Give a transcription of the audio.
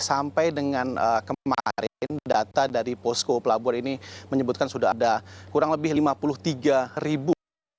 sampai dengan kemarin data dari posko pelabuhan ini menyebutkan sudah ada kurang lebih lima puluh tiga ribu